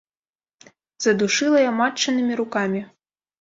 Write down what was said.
Задушыла я матчынымі рукамі.